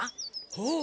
ほう。